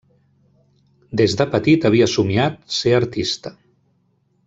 Des de petit havia somniat ser artista.